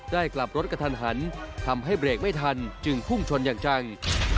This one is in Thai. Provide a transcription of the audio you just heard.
กลับรถกระทันหันทำให้เบรกไม่ทันจึงพุ่งชนอย่างจัง